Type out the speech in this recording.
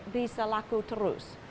bisa laku terus